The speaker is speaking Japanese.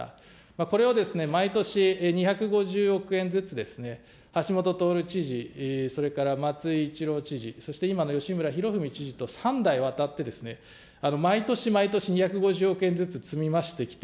これを毎年２５０億円ずつ橋下徹知事、それから松井一郎知事、そして今の吉村洋文知事と３代わたってですね、毎年毎年２５０億円ずつ積み増してきて、